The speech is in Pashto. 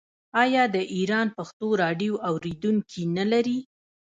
آیا د ایران پښتو راډیو اوریدونکي نلري؟